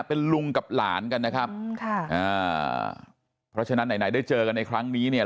เป็นลุงกับหลานกันนะครับค่ะอ่าเพราะฉะนั้นไหนไหนได้เจอกันในครั้งนี้เนี่ย